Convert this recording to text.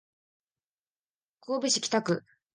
神戸市北区